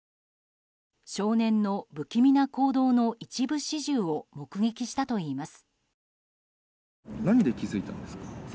少年の不気味な行動の一部始終を目撃したといいます。